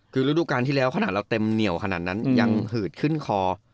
คือฤดูการที่แล้วขนาดเราเต็มเหนียวขนาดนั้นยังหืดขึ้นคอ